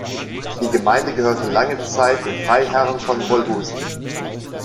Die Gemeinde gehörte lange Zeit den Freiherren von Wolhusen.